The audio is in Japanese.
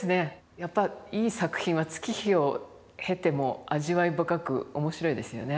やっぱりいい作品は月日を経ても味わい深く面白いですよね。